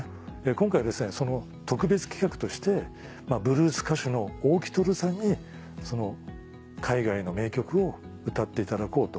今回はその特別企画としてブルース歌手の大木トオルさんに海外の名曲を歌っていただこうと。